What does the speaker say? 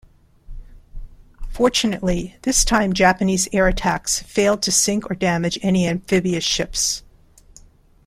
Fortunately, this time Japanese air attacks failed to sink or damage any amphibious ships.